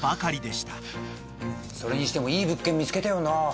それにしてもいい物件見つけたよな。